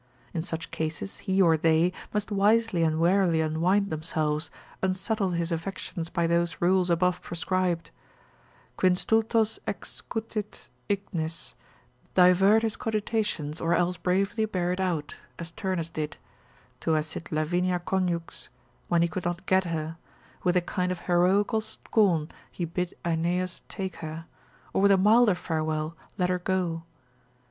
In such cases he or they must wisely and warily unwind themselves, unsettle his affections by those rules above prescribed,— quin stultos excutit ignes, divert his cogitations, or else bravely bear it out, as Turnus did, Tua sit Lavinia conjux, when he could not get her, with a kind of heroical scorn he bid Aeneas take her, or with a milder farewell, let her go.